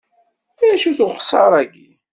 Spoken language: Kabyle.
Acu-t uxessar-aki?